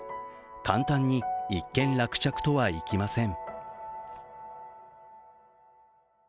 簡単に一件落着とはいきません。